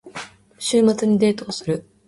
週末にデートをする。